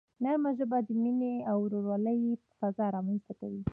نرمه ژبه د مینې او ورورولۍ فضا رامنځته کوي.